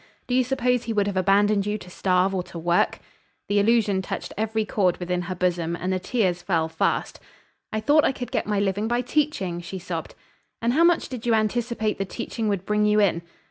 Do you suppose he would have abandoned you to starve or to work?" The allusion touched every chord within her bosom, and the tears fell fast. "I thought I could get my living by teaching," she sobbed. "And how much did you anticipate the teaching would bring you in?"